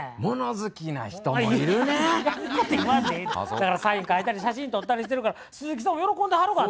だからサイン書いたり写真撮ったりしてるから鈴木さんも喜んではるがな。